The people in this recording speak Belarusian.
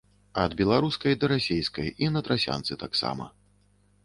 Ад беларускай да расейскай, і на трасянцы таксама.